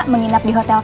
kamu nginep di hotel kami